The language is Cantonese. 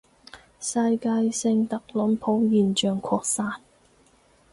世界性特朗普現象擴散